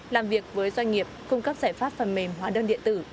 làm việc với doanh nghiệp cung cấp giải pháp phần mềm hóa đơn điện tử